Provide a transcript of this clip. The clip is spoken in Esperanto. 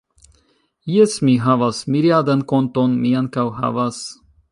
Jes, mi havas miriadan konton, mi ankaŭ havas